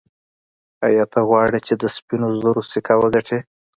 ایا ته غواړې چې د سپینو زرو سکه وګټې.